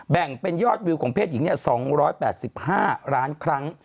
แบ่งเป็นยอดวิวของเพศหญิง๒๘๕ล้านครั้ง